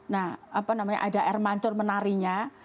nah apa namanya ada air mancur menarinya